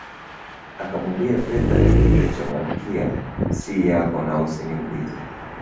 Akamwambia fedha ya kichwa cha Malkia si yako na usiniulize